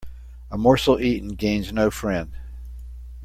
A morsel eaten gains no friend.